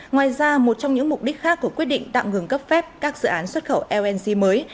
ngoài ra một trong những mục đích khác của quyết định tạm ngừng cấp phép các dự án xuất khẩu lng mới